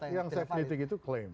yang safety itu klaim